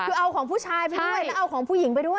คือเอาของผู้ชายไปด้วยแล้วเอาของผู้หญิงไปด้วย